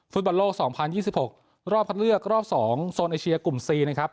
ฟุตบันโลกสองพันยี่สิบหกรอบคัดเลือกรอบสองโซนไอเชียกลุ่มซีนะครับ